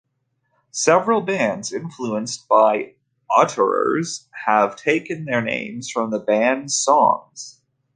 Several bands influenced by the Auteurs have taken their names from the band's songs.